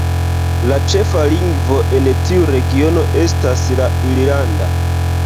La ĉefa lingvo en tiu regiono estas la irlanda.